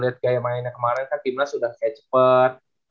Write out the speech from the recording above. lihat kayak yang mainnya kemarin kan timnya sudah kayak cepet